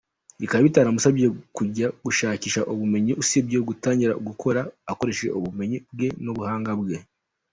Bikaba bitaramusabye kujya gushakisha ubumenyi Usibye gutangira gukora, akoresheje ubumenyi bwe nubuhanga bwe.